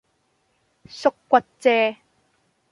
縮骨遮